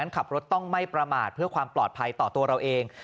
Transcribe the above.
ขับรถต้องไม่ประมาทเพื่อความปลอดภัยต่อตัวเราเอง